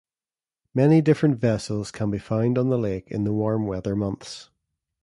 Many different vessels can be found on the lake in the warm-weather months.